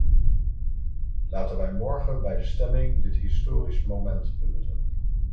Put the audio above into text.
Laten wij morgen bij de stemming dit historisch moment benutten!